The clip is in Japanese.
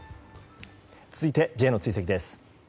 続いて、Ｊの追跡です。